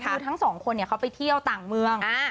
คือทั้งสองคนเขาไปเที่ยวต่างเมือง